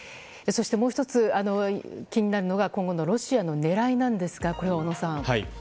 そして、もう１つ気になるのが今後のロシアの狙いなんですがこれは小野さん。